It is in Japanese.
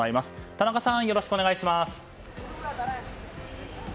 田中さん、よろしくお願いします。